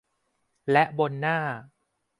และบนหน้า